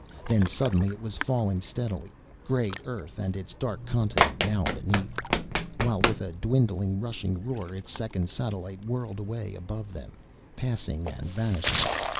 Then suddenly it was falling steadily, gray Earth and its dark continent now beneath, while with a dwindling rushing roar its second satellite whirled away above them, passing and vanishing.